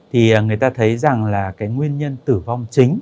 thì người ta thấy rằng là cái nguyên nhân tử vong chính